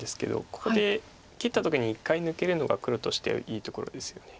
ここで切った時に１回抜けるのが黒としてはいいところですよね。